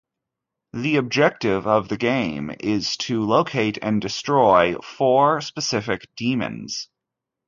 The objective of the game is to locate and destroy four specific demons.